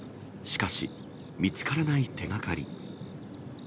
しかし、見つからない手がかり。